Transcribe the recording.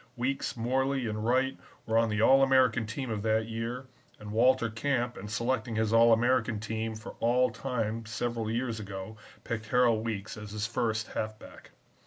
Weekes, Morley, and Wright were on the All American team of that year, and Walter Camp in selecting his All American team for All Time several years ago picked Harold Weekes as his first halfback.